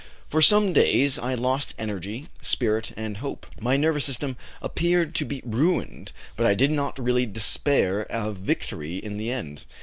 For some days I lost energy, spirit, and hope; my nervous system appeared to be ruined, but I did not really despair of victory in the end.